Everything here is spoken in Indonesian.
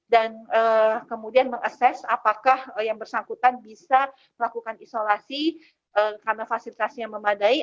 dan kemudian mengakses apakah yang bersangkutan bisa melakukan isolasi karena fasilitasnya memadai